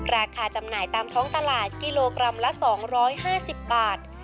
จำหน่ายตามท้องตลาดกิโลกรัมละ๒๕๐บาท